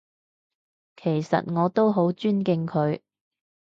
其實我都好尊敬佢